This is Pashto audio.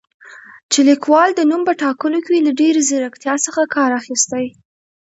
چې لیکوال د نوم په ټاکلو کې له ډېرې زیرکتیا څخه کار اخیستی